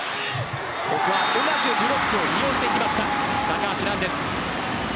うまくブロックを利用しました高橋藍です。